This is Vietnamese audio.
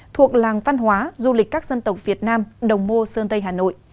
thuộc làng văn hóa du lịch các dân tộc việt nam đồng mô sơn tây hà nội